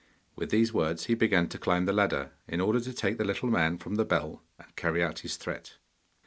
With these words he began to climb the ladder, in order to take the little man from the bell and carry out his threat.